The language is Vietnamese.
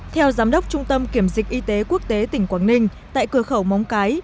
theo giám đốc trung tâm kiểm dịch y tế quốc tế tỉnh quảng ninh tại cửa khẩu móng cái